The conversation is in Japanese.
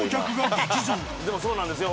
でもそうなんですよ